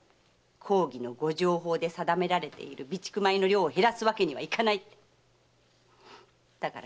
公儀の御定法で定められている備蓄米の量を減らすわけにはいかないってね。